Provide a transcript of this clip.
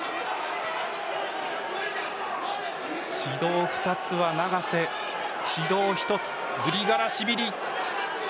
指導２つは永瀬指導１つ、グリガラシビリ。